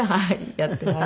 やっています。